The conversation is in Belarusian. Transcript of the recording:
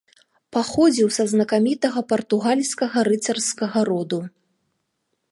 Паходзіў са знакамітага партугальскага рыцарскага роду.